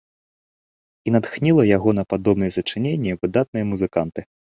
І натхніла яго на падобныя сачыненні выдатныя музыканты.